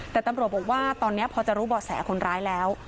แต่ตำรวจบอกว่าตอนนี้พอจะรู้บ่อแสคนร้ายแล้ว